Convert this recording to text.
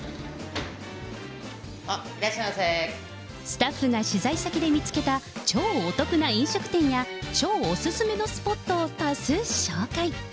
スタッフが取材先で見つけた、超お得な飲食店や、超お勧めのスポットを多数紹介。